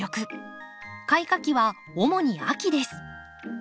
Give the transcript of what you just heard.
開花期は主に秋です。